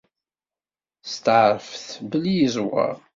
Setɛerfet belli yeẓwer.